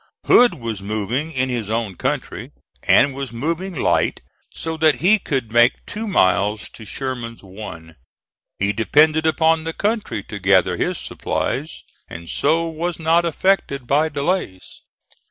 Hood was moving in his own country, and was moving light so that he could make two miles to Sherman's one. He depended upon the country to gather his supplies, and so was not affected by delays.